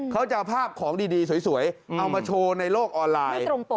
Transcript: เขาจะเอาภาพของดีสวยเอามาโชว์ในโลกออนไลน์